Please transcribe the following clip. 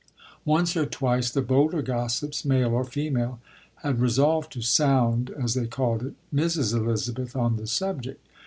Once or twice the bolder gos sips, male or female, had resolved to sound (as they called it) Mrs. Elizabeth on the sub ject.